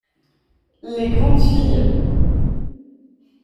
Les grandes filles.